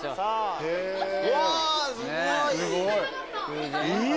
うわすごい。